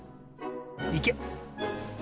いけ！